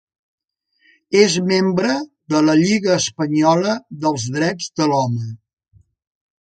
És membre de la Lliga Espanyola dels Drets de l'Home.